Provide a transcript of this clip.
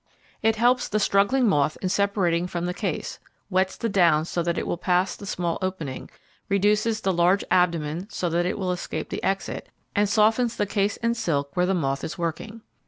It helps the struggling moth in separating from the case, wets the down so that it will pass the small opening, reduces the large abdomen so that it will escape the exit, and softens the case and silk where the moth is working.